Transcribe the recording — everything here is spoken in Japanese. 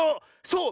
そう！